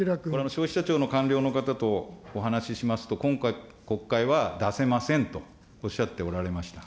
消費者庁の官僚の方とお話ししますと、今回、国会は出せませんとおっしゃっておられました。